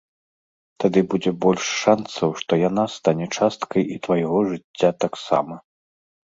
Тады будзе больш шанцаў, што яна стане часткай і твайго жыцця таксама.